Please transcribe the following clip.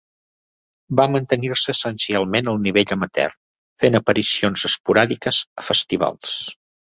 Va mantenir-se essencialment al nivell amateur, fent aparicions esporàdiques a festivals.